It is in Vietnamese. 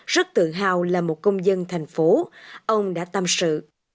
rất tự hào là một công dân thành phố ông đã tâm sự